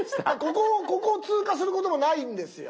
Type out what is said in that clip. ここを通過することもないんですよ。